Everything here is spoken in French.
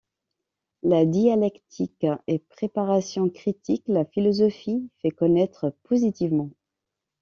La dialectique est préparation critique, la philosophie fait connaître positivement.